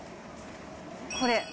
これ。